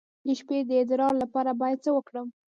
د شپې د ادرار لپاره باید څه وکړم؟